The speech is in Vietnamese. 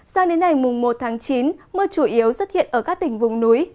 sang đến ngày một tháng chín mưa chủ yếu xuất hiện ở các tỉnh vùng núi